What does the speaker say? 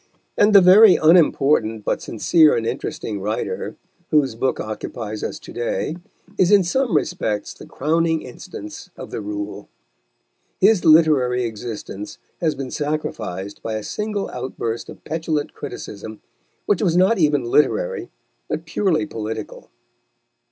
And the very unimportant but sincere and interesting writer, whose book occupies us to day, is in some respects the crowning instance of the rule. His literary existence has been sacrificed by a single outburst of petulant criticism, which was not even literary, but purely political.